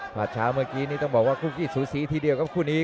มาเช้าเมื่อกี้นี่ต้องบอกว่าคุกกี้สูสีทีเดียวครับคู่นี้